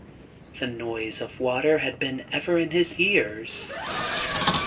The noise of water had been ever in his ears.